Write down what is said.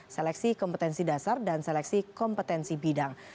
seleksi kompetensi dasar dan seleksi kompetensi bidang